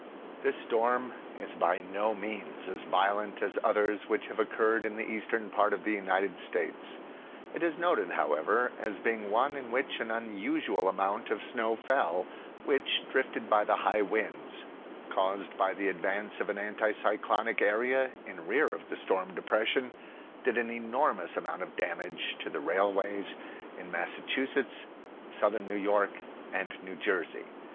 This storm is by no means as violent as others which have occurred, in the eastern part of the United States. It is noted^ however, as being one in which an unusual amount of snow fell, which, drifted by the high winds caused by the advance of an anticyclonic area in rear of the storm depression, did an enormous amount of damage to the railways in Massachusetts, southern New York, and New Jersey.